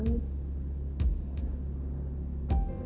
boleh kan bu